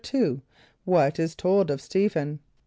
= What is told of St[=e]´phen?